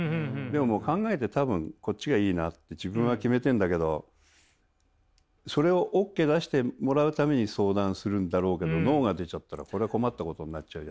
でももう考えて多分こっちがいいなって自分は決めてんだけどそれをオッケー出してもらうために相談するんだろうけどノーが出ちゃったらこれは困ったことになっちゃう。